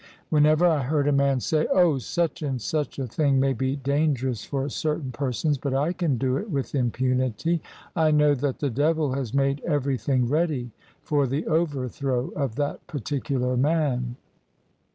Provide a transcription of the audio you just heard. Whenever I heard a man say, * Oh! such and such a thing may be dangerous for certain persons, but I can do it with impunity,' I know that the devil has made every thing ready for the overthrow of that particular man."